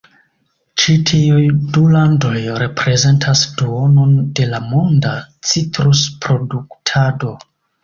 Ĉi tiuj du landoj reprezentas duonon de la monda citrusproduktado.